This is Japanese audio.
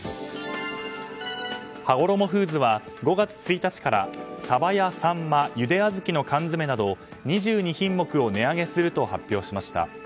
はごろもフーズは５月１日からさばやさんまゆであずきの缶詰など２２品目を値上げすると発表しました。